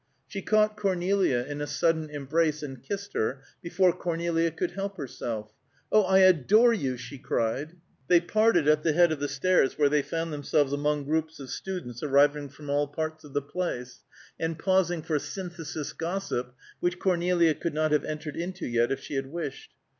She caught Cornelia in a sudden embrace and kissed her, before Cornelia could help herself. "Oh, I adore you!" she cried. They parted at the head of the stairs, where they found themselves among groups of students arriving from all parts of the place, and pausing for Synthesis gossip, which Cornelia could not have entered into yet if she had wished.